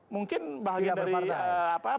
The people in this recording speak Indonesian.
mungkin bahagia dari